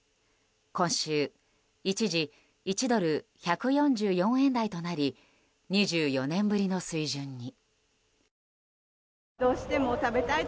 今週、一時１ドル＝１４４円台となり２４年ぶりの水準に。